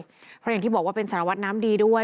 เพราะอย่างที่บอกว่าเป็นสารวัตรน้ำดีด้วย